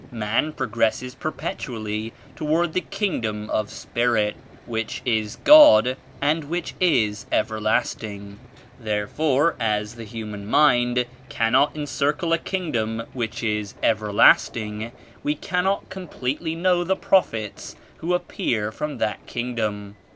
Man progresses perpetually toward the Kingdom of Spirit which is God and which is everlasting. Therefore as the human mind cannot encircle a Kingdom which is everlasting, we cannot com pletely know the Prophets who appear from that Kingdom.